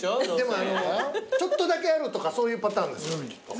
ちょっとだけあるとかそういうパターンですよね。